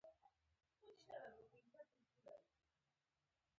پاکوالی او نظم د ژوند کیفیت او ښکلا زیاتوي.